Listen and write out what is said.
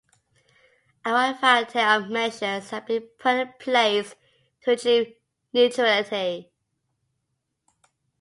A wide variety of measures have been put in place to achieve neutrality.